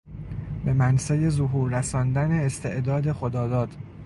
به منصهی ظهور رساندن استعداد خداداد